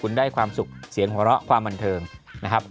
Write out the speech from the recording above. คุณได้ความสุขเสียงหัวเราะความบันเทิงนะครับ